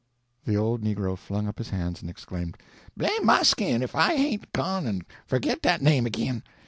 The old negro flung up his hands and exclaimed: "Blame my skin if I hain't gone en forgit dat name agin!